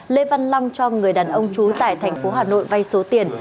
lê văn long cho người đàn ông trú tại thành phố hà nội vay số tiền